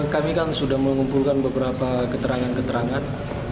kami kan sudah mengumpulkan beberapa keterangan keterangan